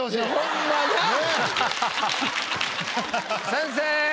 先生！